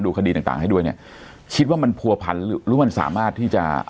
คดีต่างต่างให้ด้วยเนี่ยคิดว่ามันผัวพันหรือมันสามารถที่จะ